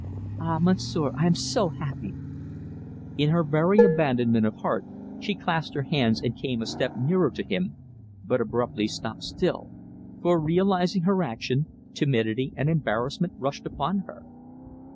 Ah, Monsieur, I am so happy!" In very abandonment of heart she clasped her hands and came a step nearer to him, but abruptly stopped still; for, realising her action, timidity and embarrassment rushed upon her.